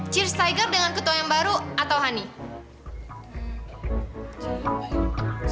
cheers tiger dengan ketua yang baru atau honey